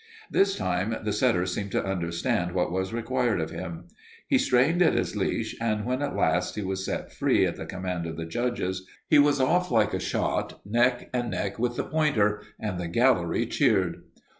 This time the setter seemed to understand what was required of him. He strained at his leash, and when at last he was set free at the command of the judges, he was off like a shot, neck and neck with the pointer, and the gallery cheered.